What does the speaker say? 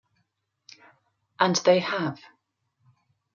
And they have.